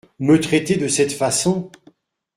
Me traiter de cette façon !